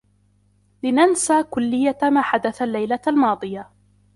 لننسى كلّيّة ما حدث اللّيلة الماضية.